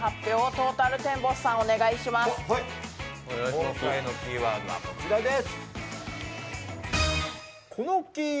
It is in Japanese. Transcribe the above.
今回のキーワードはこちらです。